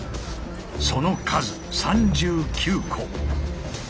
その数３９個。